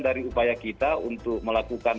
dari upaya kita untuk melakukan